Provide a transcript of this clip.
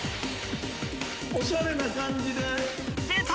おしゃれな感じで出た！